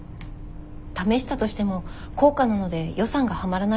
試したとしても高価なので予算がはまらないと思います。